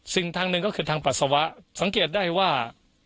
ทางหนึ่งก็คือทางปัสสาวะสังเกตได้ว่า